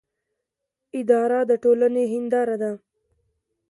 اداره د ټولنې هنداره ده